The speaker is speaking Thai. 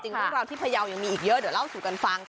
เรื่องราวที่พยาวยังมีอีกเยอะเดี๋ยวเล่าสู่กันฟัง